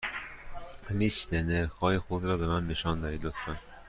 لیست نرخ های خود را به من نشان دهید، لطفا.